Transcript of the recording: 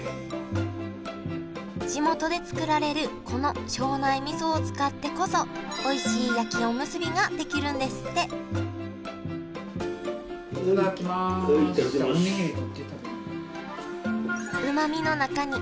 地元で作られるこの庄内みそを使ってこそおいしい焼きおむすびが出来るんですっておにぎり取って食べる。